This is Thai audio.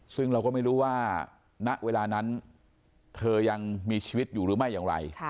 ซึ่งเราก็ไม่รู้ว่าณเวลานั้นเธอยังมีชีวิตอยู่หรือไม่อย่างไร